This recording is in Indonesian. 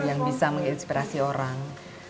yang bisa menginspirasi orang